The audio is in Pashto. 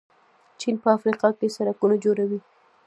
چین په افریقا کې سړکونه جوړوي.